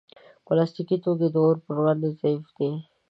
پلاستيکي توکي د اور پر وړاندې ضعیف دي.